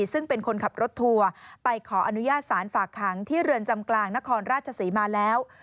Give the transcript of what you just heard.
ซึ่งเป็นคนขับรถทัวร์ไปขออนุญาตสารฝากขังที่เรือนจำกลางนครราชศรีมาแล้ว